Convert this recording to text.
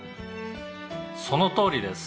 「そのとおりです」